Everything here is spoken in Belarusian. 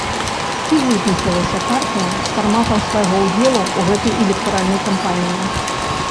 Ці вызначылася партыя з фарматам свайго ўдзелу ў гэтай электаральнай кампаніі?